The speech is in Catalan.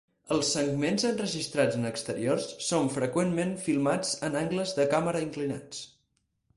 Els segments enregistrats en exteriors són freqüentment filmats amb angles de càmera inclinats.